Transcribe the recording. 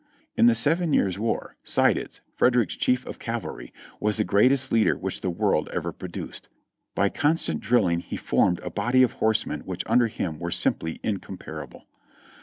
In the Seven Years' War, Seyditz, Frederick's chief of cavalry, was the greatest leader which the world ever produced. By con stant drilling he formed a body of horsemen which under him were simply incomparable.